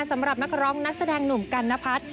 สำหรับนักร้องนักแสดงหนุ่มกันนพัฒน์